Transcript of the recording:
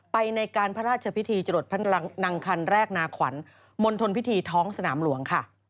ในการพระราชพิธีจรดนางคันแรกนาขวัญมณฑลพิธีท้องสนามหลวงค่ะ